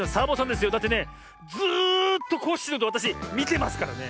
だってねずっとコッシーのことわたしみてますからね。